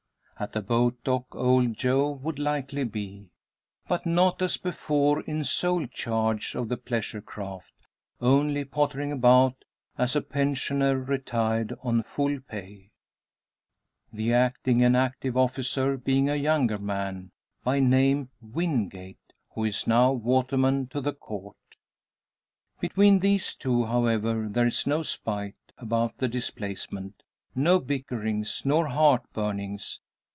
At the boat dock Old Joe would likely be. But not as before in sole charge of the pleasure craft; only pottering about, as a pensioner retired on full pay; the acting and active officer being a younger man, by name Wingate, who is now waterman to the Court. Between these two, however, there is no spite about the displacement no bickerings nor heartburnings.